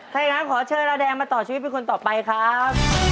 ถ้าอย่างนั้นขอเชิญอาแดงมาต่อชีวิตเป็นคนต่อไปครับ